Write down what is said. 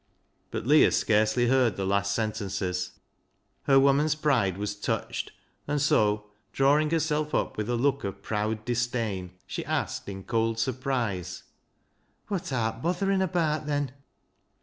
But Leah scarcely heard the last sentences. Her woman's pride was touched, and so, drawing herself up with a look of proud disdain, she asked in cold surprise —" Wot art botherin' abaat, then